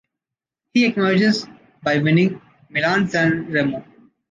He acknowledges by winning Milan-San Remo.